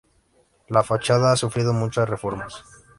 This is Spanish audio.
La fachada ha sufrido muchas reformas.